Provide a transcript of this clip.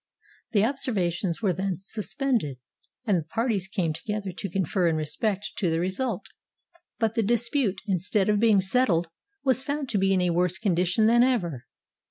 The observations were then suspended, and the parties came together to confer in respect to the result; but the dispute, instead of being settled, was found to be in a worse condition than ever.